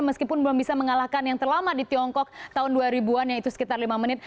meskipun belum bisa mengalahkan yang terlama di tiongkok tahun dua ribu an yaitu sekitar lima menit